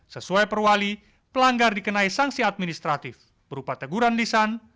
sesuai perwali pelanggar dikenai sanksi administratif berupa teguran lisan